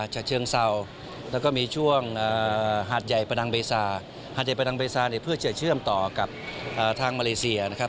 หันเก๊บมาเบซาเพื่อเชื่อมต่อกับทางมาเมริกา